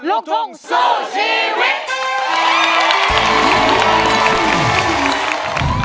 ลูกทุ่งสู้ชีวิต